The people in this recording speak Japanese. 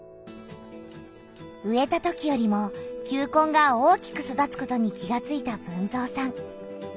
植えたときよりも球根が大きく育つことに気がついた豊造さん。